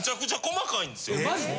マジで？